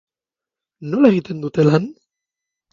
Nola egiten dute lan?